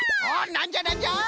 なんじゃなんじゃ？